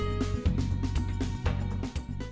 dạ xin cảm ơn